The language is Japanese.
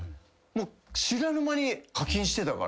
知らぬ間に課金してたから。